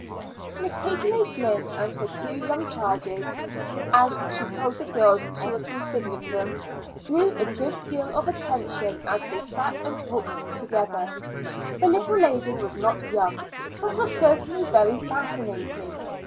Miss Katie O'Flynn and her two young charges, as she told the girls she considered them, drew a good deal of attention as they sat and talked together. The little lady was not young, but was certainly very fascinating.